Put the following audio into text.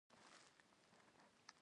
سبا سهار به زموږ کور ته ځو.